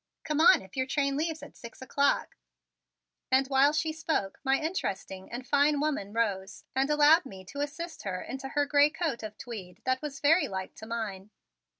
Come on if your train leaves at six o'clock." And while she spoke, my interesting and fine woman rose and allowed me to assist her into her gray coat of tweed that was very like to mine.